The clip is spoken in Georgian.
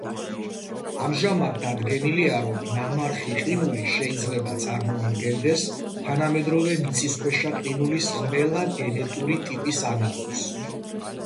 ამჟამად დადგენილია, რომ ნამარხი ყინული შეიძლება წარმოადგენდეს თანამედროვე მიწისქვეშა ყინულის ყველა გენეტური ტიპის ანალოგს.